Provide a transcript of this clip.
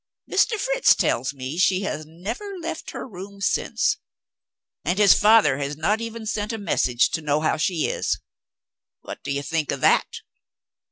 Mr. Fritz tells me she has never left her room since; and his father has not even sent a message to know how she is. What do you think of that?"